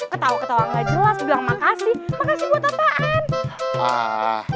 ketawa ketawa ga jelas bilang makasih